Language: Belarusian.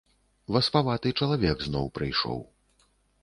Васпаваты чалавек зноў прыйшоў.